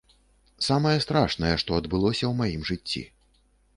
Самае страшнае, што адбылося ў маім жыцці.